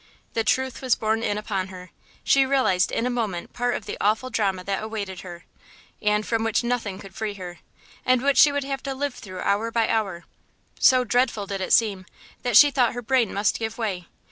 The truth was borne in upon her; she realised in a moment part of the awful drama that awaited her, and from which nothing could free her, and which she would have to live through hour by hour. So dreadful did it seem, that she thought her brain must give way.